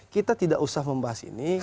kita tidak usah membahas ini